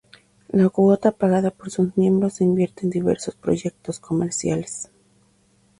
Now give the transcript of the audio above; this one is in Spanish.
La cuota pagada por sus miembros se invierte en diversos proyectos comerciales.